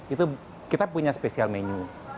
itu kita punya spesial menu